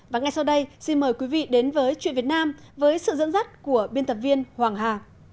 và ngay sau đây xin mời quý vị đến với chuyện việt nam với sự dẫn dắt của biên tập viên hoàng hà